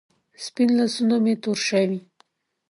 سپین لاسونه مې تور شوې